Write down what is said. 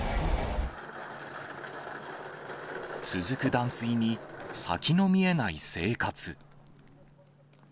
続く断水に、先の見えない生活。